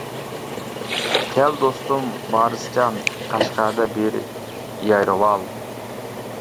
كەل دوستۇم ۋارىسجان، قەشقەردە بىر يايرىۋال!